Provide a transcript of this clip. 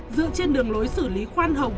dựa trên đường lối xử lý khoan hồng